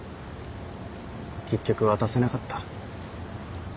結局渡せなかった。